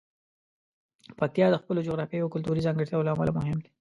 پکتیا د خپلو جغرافیايي او کلتوري ځانګړتیاوو له امله مهم دی.